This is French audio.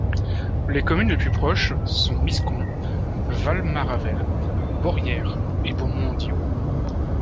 Les communes les plus proches sont Miscon, Val-Maravel, Beaurières et Beaumont-en-Diois.